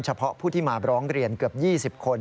เฉพาะผู้ที่มาร้องเรียนเกือบ๒๐คน